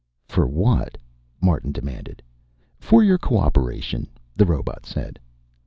"For what?" Martin demanded. "For your cooperation," the robot said.